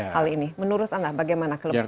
hal ini menurut anda bagaimana ke depan